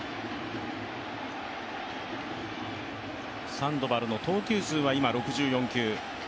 サンドバルの投球数は今６４球。